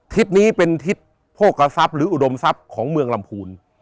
ทิศนี้เป็นทิศโภคทรัพย์หรืออุดมทรัพย์ของเมืองลำพูน